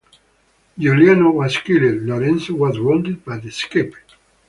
Giuliano was killed; Lorenzo was wounded but escaped.